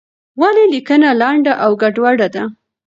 ولې لیکنه لنډه او ګډوډه ده؟